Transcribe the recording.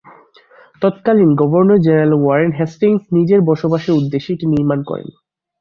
তৎকালীন governor general Warren Hastings নিজের বসবাসের উদ্দেশ্যে এটি নির্মাণ করেন।